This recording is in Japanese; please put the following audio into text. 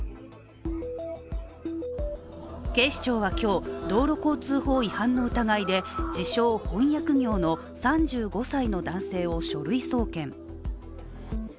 警視庁は今日、道路交通法違反の疑いで自称・翻訳業の３５歳の男性を書類送検。